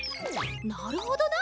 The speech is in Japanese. なるほどな！